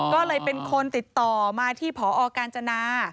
ก็เลยเป็นคนติดต่อมาที่พอกาญจนา